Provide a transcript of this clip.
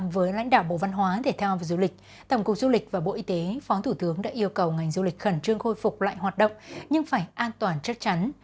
với lãnh đạo bộ văn hóa thể thao và du lịch tổng cục du lịch và bộ y tế phó thủ tướng đã yêu cầu ngành du lịch khẩn trương khôi phục lại hoạt động nhưng phải an toàn chắc chắn